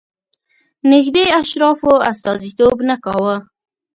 نږدې اشرافو استازیتوب نه کاوه.